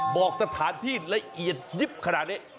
บอกสถานที่ละเอียดยิบขนาดนี้